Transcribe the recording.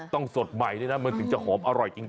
สดใหม่ด้วยนะมันถึงจะหอมอร่อยจริง